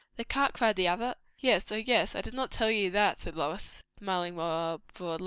"The cart!" cried the other. "Yes. O yes! I did not tell you that," said Lois, smiling more broadly.